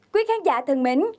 quý khán giả thân mến